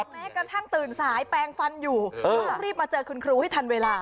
แม้กระทั่งตื่นสายแปลงฟันอยู่ก็ต้องรีบมาเจอคุณครูให้ทันเวลา